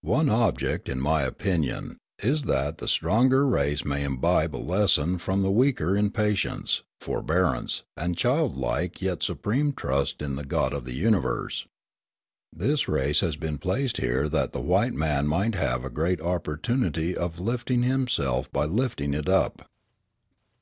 One object, in my opinion, is that the stronger race may imbibe a lesson from the weaker in patience, forbearance, and childlike yet supreme trust in the God of the Universe. This race has been placed here that the white man might have a great opportunity of lifting himself by lifting it up.